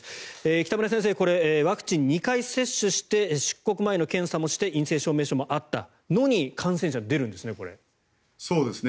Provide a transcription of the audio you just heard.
北村先生、これ、ワクチン２回接種して出国前の検査もして陰性証明書もあったのに感染者が出るんですね。